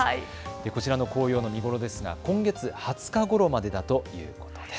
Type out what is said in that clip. こちらの紅葉の見頃ですが今月２０日ごろまでだということです。